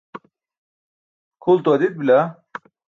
kʰuulto adit bila.